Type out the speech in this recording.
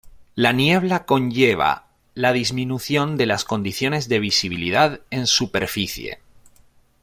La niebla conlleva la disminución de las condiciones de visibilidad en superficie.